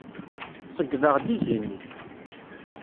Ṣeyydeɣ-d izi-nni.